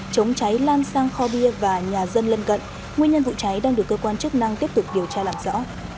chống cháy lan sang kho bia và nhà dân lân cận nguyên nhân vụ cháy đang được cơ quan chức năng tiếp tục điều tra làm rõ